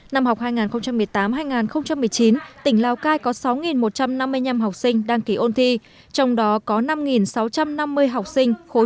năm học hai nghìn một mươi tám hai nghìn một mươi chín tỉnh lào cai có sáu một trăm năm mươi năm học sinh đăng ký ôn thi trong đó có năm sáu trăm năm mươi học sinh khối